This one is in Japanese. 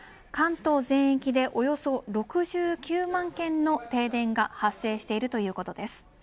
関東全域でおよそ６９万軒の停電が発生しているということです。